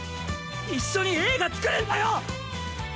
一緒に映画作るんだよ！